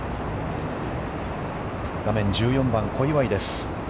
画面１４番、小祝です。